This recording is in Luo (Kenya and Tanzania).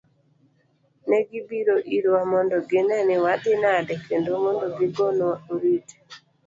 Ne gibiro irwa mondo ginee ni wadhi nade kendo mondo gigonwa oriti.